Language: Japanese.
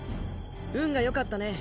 運がよかったね。